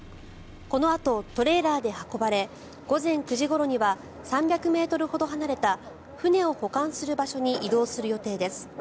このあと、トレーラーで運ばれ午前９時ごろには３００ｍほど離れた船を保管する場所に移動する予定です。